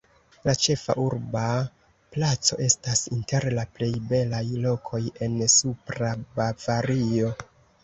La ĉefa urba placo estas inter la plej belaj lokoj en Supra Bavario.